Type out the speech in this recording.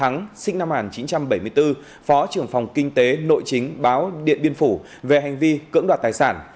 thắng sinh năm một nghìn chín trăm bảy mươi bốn phó trưởng phòng kinh tế nội chính báo điện biên phủ về hành vi cưỡng đoạt tài sản